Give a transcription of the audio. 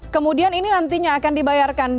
kemudian ini nantinya akan dibayarkan